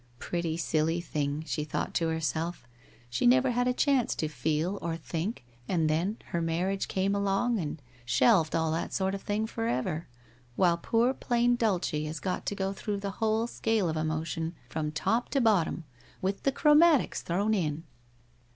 ' Pretty silly thing !' she thought to herself, * she never had a chance to feel or think, and then her marriage came along and shelved all that sort of thing forever, while poor plain Dulce has got to go through the whole scale of emotion from top to bottom, with the chromatics thrown in!'